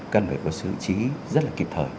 cần phải có sự chí rất là kịp thời